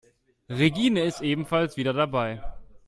Regine ist ebenfalls wieder dabei.